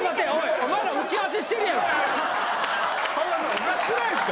おかしくないっすか？